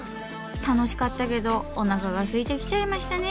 楽しかったけどおなかがすいてきちゃいましたね。